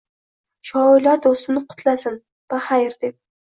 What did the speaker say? Shoirlar do’stini qutlasin, baxayr, deb